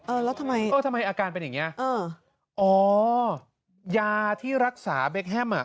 แล้วทำไมเออทำไมอาการเป็นอย่างเงี้เอออ๋อยาที่รักษาเบคแฮมอ่ะ